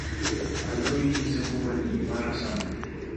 Aloi hizi huwa ni imara sana.